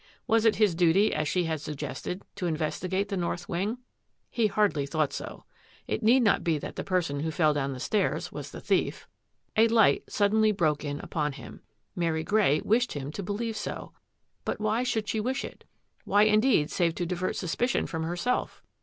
Was it his duty, as she had suggested, to investigate the north wing? He hardly thought so. It need not be that the person who fell down the stairs was the thief. A light suddenly broke in upon him. Mary Grey wished him to believe so. But why should she wish it? Why, indeed, save to divert suspi cion from herself?